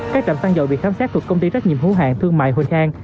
các trạm xăng dầu bị khám xét thuộc công ty trách nhiệm hữu hạng thương mại huỳnh hàng